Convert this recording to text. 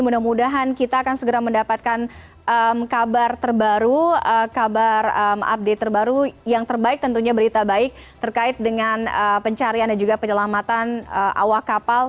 mudah mudahan kita akan segera mendapatkan kabar terbaru kabar update terbaru yang terbaik tentunya berita baik terkait dengan pencarian dan juga penyelamatan awak kapal